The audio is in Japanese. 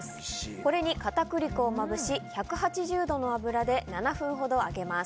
これに片栗粉をまぶし１８０度の油で７分ほど揚げます。